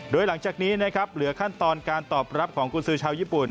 โดยหลังจากนี้นะครับเหลือขั้นตอนการตอบรับของกุญสือชาวญี่ปุ่น